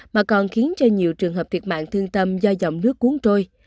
mà còn khiến cho nhiều trường hợp thiệt mạng thương tâm do dòng nước cuốn trôi